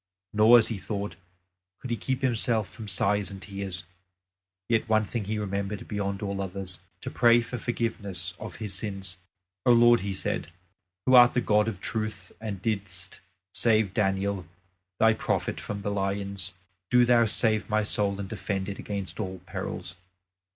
Nor, as he thought, could he keep himself from sighs and tears; yet one thing he remembered beyond all others to pray for forgiveness of his sins. "O Lord," he said, "who art the God of truth, and didst save Daniel Thy prophet from the lions, do Thou save my soul and defend it against all perils!"